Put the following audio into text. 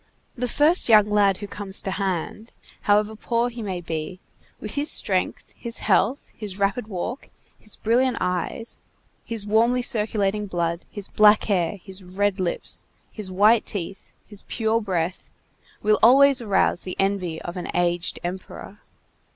The first young lad who comes to hand, however poor he may be, with his strength, his health, his rapid walk, his brilliant eyes, his warmly circulating blood, his black hair, his red lips, his white teeth, his pure breath, will always arouse the envy of an aged emperor.